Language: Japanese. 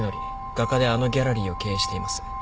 画家であのギャラリーを経営しています。